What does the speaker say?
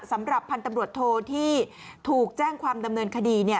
สำหรับพันธุ์ตำรวจโทที่ถูกแจ้งความดำเนินคดี